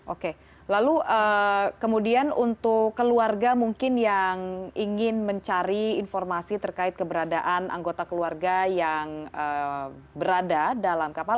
oke lalu kemudian untuk keluarga mungkin yang ingin mencari informasi terkait keberadaan anggota keluarga yang berada dalam kapal